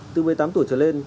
từ một mươi tám tuổi trở lên